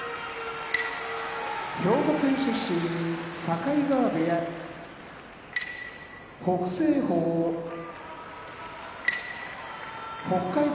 兵庫県出身境川部屋北青鵬北海道出身